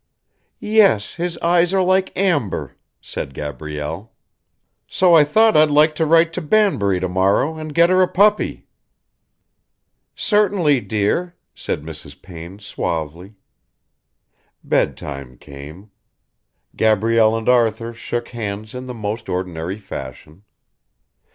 "Yes, his eyes are like amber," said Gabrielle. "So I thought I'd like to write to Banbury to morrow and get her a puppy." "Certainly, dear," said Mrs. Payne suavely. Bedtime came. Gabrielle and Arthur shook hands in the most ordinary fashion.